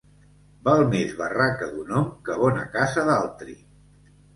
Val més barraca d'un hom que bona casa d'altri.